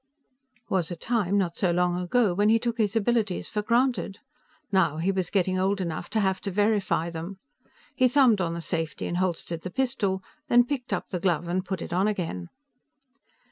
Was a time, not so long ago, when he took his abilities for granted. Now he was getting old enough to have to verify them. He thumbed on the safety and holstered the pistol, then picked up the glove and put it on again.